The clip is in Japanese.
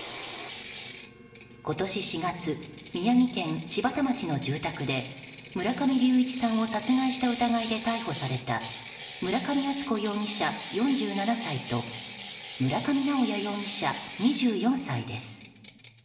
今年４月、宮城県柴田町の住宅で村上隆一さんを殺害した疑いで逮捕された村上敦子容疑者、４７歳と村上直哉容疑者、２４歳です。